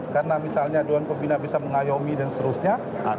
karena misalnya dewan pembina bisa mengayomi dan seterusnya